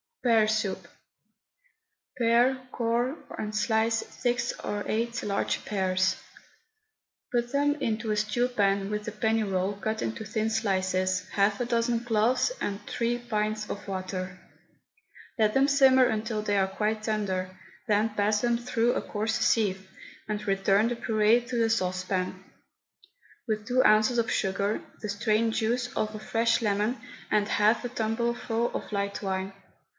PEAR SOUP. Pare, core, and slice six or eight large pears. Put them into a stew pan with a penny roll cut into thin slices, half a dozen cloves, and three pints of water. Let them simmer until they are quite tender, then pass them through a coarse sieve, and return the puree to the saucepan, with two ounces of sugar, the strained juice of a fresh lemon, and half a tumblerful of light wine.